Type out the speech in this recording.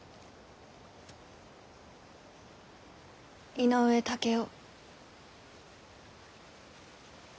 井上竹雄。